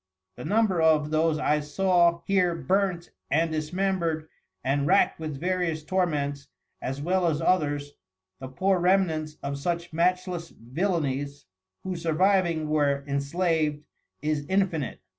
The number of those I saw here burnt, and dismembered, and rackt with various Torments, as well as others, the poor Remnants of such matchless Villanies, who surviving were enslaved, is infinite.